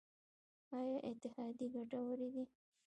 آیا اتحادیې ګټورې دي؟